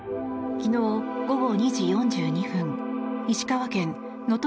昨日午後２時４２分石川県能登